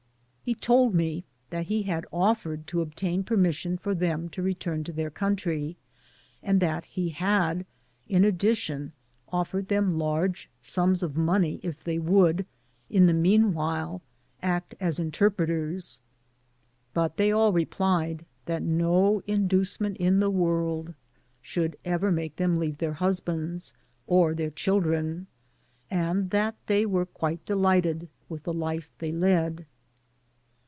He told me that he had offered to obtain permis sion for them to return to their country, and that he had, in addition, offered them large sums of money if they would, in the mean while, act as interpreters ; but they all replied, that no induce Digitized byGoogk 94 THE PAMPAS. ment in the workl should ever moke them leiv^e their husbands, or their children^ and that they were quite delighted with the life they led.